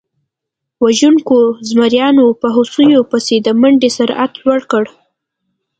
وژونکو زمریانو په هوسیو پسې د منډې سرعت لوړ کړ.